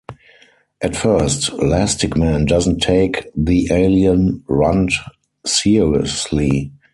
At first, Lastikman doesn't take the alien runt seriously.